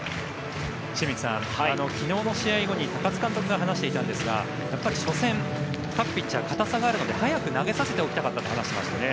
清水さん、昨日の試合後に高津監督が話していたんですが初戦、各ピッチャー硬さがあるので早く投げさせておきたかったと話していますね。